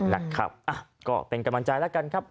นะครับก็เป็นกำลังใจแล้วกันครับ